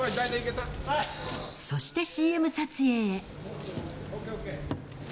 そしてＣＭ撮影へ。